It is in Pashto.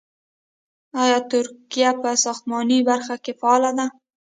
آیا ترکیه په ساختماني برخه کې فعاله ده؟